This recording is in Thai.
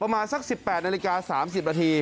ประมาณสัก๑๘นาฬิกา๓๐นาที